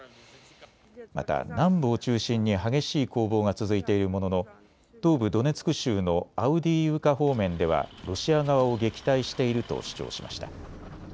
また南部を中心に激しい攻防が続いているものの東部ドネツク州のアウディーイウカ方面ではロシア側を撃退していると主張しました。